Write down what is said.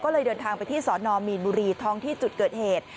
ก็เลยเดินทางไปที่สอนอมีนบุรีท้องที่จุดเกิดเหตุ